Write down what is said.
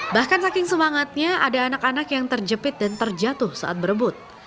bahkan saking semangatnya ada anak anak yang terjepit dan terjatuh saat berebut